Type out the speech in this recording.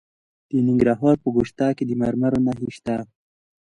د ننګرهار په ګوشته کې د مرمرو نښې شته.